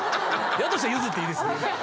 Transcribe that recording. やとしたら譲っていいです。